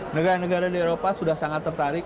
negara negara di eropa sudah sangat tertarik